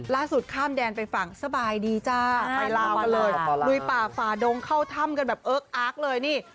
ข้ามแดนไปฝั่งสบายดีจ้าไปลาวกันเลยลุยป่าฝ่าดงเข้าถ้ำกันแบบเอิ๊กอาร์กเลยนี่